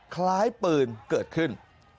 คล้ายปืนเกิดขึ้น